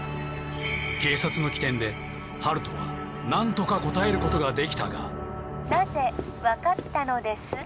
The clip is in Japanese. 警察の機転で温人は何とか答えることができたがなぜわかったのです？